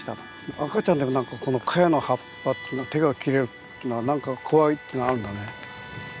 赤ちゃんでもこのカヤの葉っぱ手が切れるっていうのが何か怖いっていうのがあるんだね。